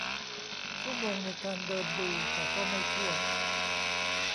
ชั่วโมงในการเดินดูแต่ก็ไม่ทั่ว